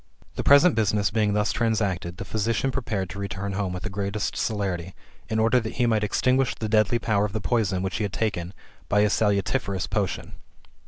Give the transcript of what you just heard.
The present business being thus transacted, the physician prepared to return home with the greatest celerity, in order that he might extinguish the deadly power of the poison which he had taken, by a salutiferous potion.